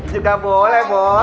juga boleh bos